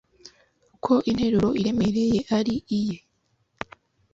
ko interuro iremereye ari iye